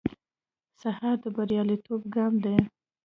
سهار د بریالیتوب ګام دی.